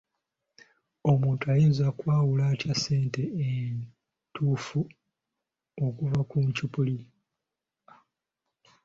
Omuntu ayinza kwawula atya ssente entuufu okuva ku kikyupuli?